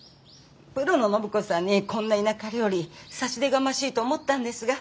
プロの暢子さんにこんな田舎料理差し出がましいと思ったんですが。